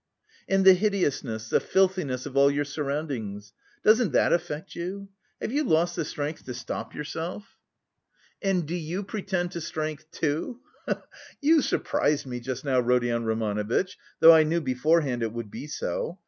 "And the hideousness, the filthiness of all your surroundings, doesn't that affect you? Have you lost the strength to stop yourself?" "And do you pretend to strength, too? He he he! You surprised me just now, Rodion Romanovitch, though I knew beforehand it would be so.